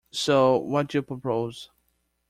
So, what do you propose?